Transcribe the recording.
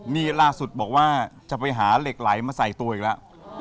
นี่ล่าสุดบอกว่าจะไปหาเหล็กไหลมาใส่ตัวอีกแล้ว